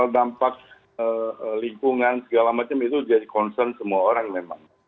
dampak lingkungan segala macam itu jadi concern semua orang memang